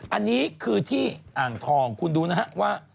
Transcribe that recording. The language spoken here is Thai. อันนี้คือที่อ่างทองคุณดูนะฮะว่า